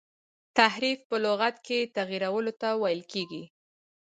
تحریف په لغت کي تغیرولو ته ویل کیږي.